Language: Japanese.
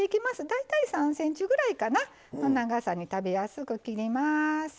大体３ｃｍぐらいかなの長さに食べやすく切ります。